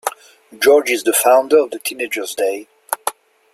George is the founder of the teenager's day.